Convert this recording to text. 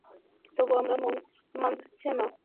তবুও আমার মন মানছে না।